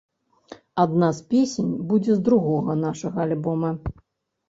Адна з песень будзе з другога нашага альбома.